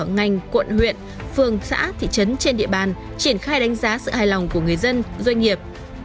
ngành quận huyện phường xã thị trấn trên địa bàn triển khai đánh giá sự hài lòng của người dân doanh nghiệp